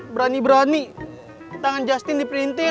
berani berani tangan justin diperintah